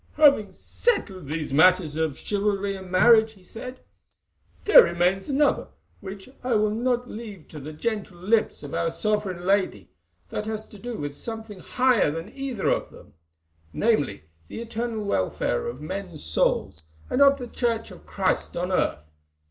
"Having settled these matters of chivalry and marriage," he said, "there remains another, which I will not leave to the gentle lips of our sovereign Lady, that has to do with something higher than either of them—namely, the eternal welfare of men's souls, and of the Church of Christ on earth.